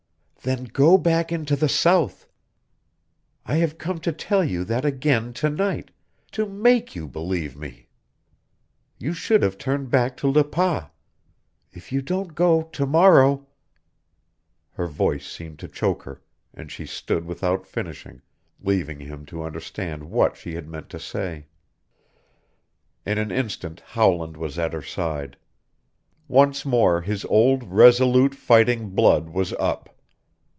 "Then go back into the South. I have come to tell you that again to night to make you believe me. You should have turned back at Le Pas. If you don't go to morrow " Her voice seemed to choke her, and she stood without finishing, leaving him to understand what she had meant to say. In an instant Howland was at her side. Once more his old, resolute fighting blood was up.